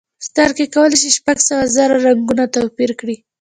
سترګې کولی شي شپږ سوه زره رنګونه توپیر کړي.